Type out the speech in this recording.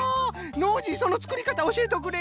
ノージーそのつくりかたおしえとくれ！